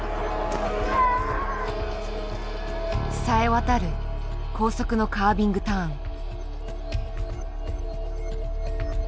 さえ渡る高速のカービングターン。